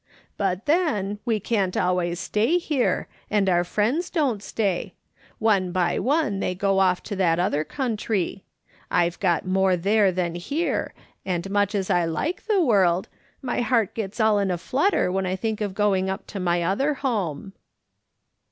But then, we can't always stay here, and our friends don't stay. One by one they go off to that other country. I've got more there than here, and much as I like the world, my heart gets all in a flutter when I think of going up to my other home.